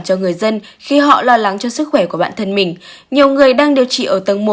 cho người dân khi họ lo lắng cho sức khỏe của bản thân mình nhiều người đang điều trị ở tầng một